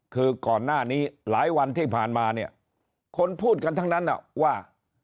คือก่อนหน้านี้หลายวันที่ผ่านมาเนี่ยคนพูดกันทั้งนั้นว่า